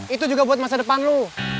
itu juga buat masa depan lo